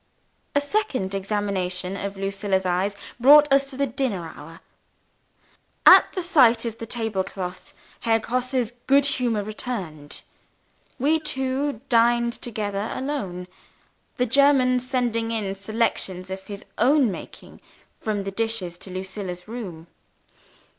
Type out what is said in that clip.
A second examination of Lucilla's eyes brought us to the dinner hour. At the sight of the table cloth, Herr Grosse's good humour returned. We two dined together alone the German sending in selections of his own making from the dishes to Lucilla's room.